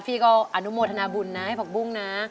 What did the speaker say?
พี่ก็อนุโมทนาบุญนะให้ผักบุ้งนะ